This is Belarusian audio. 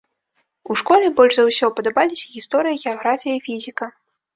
У школе больш за ўсё падабаліся гісторыя, геаграфія і фізіка.